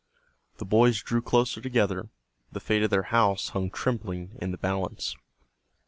The boys drew closer together; the fate of their house hung trembling in the balance.